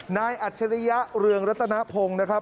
อัจฉริยะเรืองรัตนพงศ์นะครับ